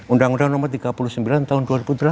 undang undang nomor tiga puluh sembilan tahun dua ribu delapan